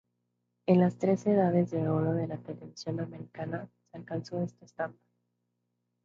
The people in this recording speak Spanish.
En las tres Edades de Oro de la Televisión Americana, se alcanzó este estándar.